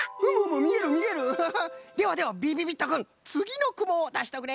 みえるみえる！ではではびびびっとくんつぎのくもをだしておくれ！